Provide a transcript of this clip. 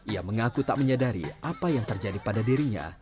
ia mengaku tak menyadari apa yang terjadi pada dirinya